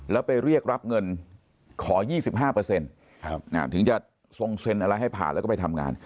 แล้วไปเรียกรับเงินขอ๒๕ถึงจะทรงเซ็นอะไรให้ผ่านแล้วก็ไปทำงาน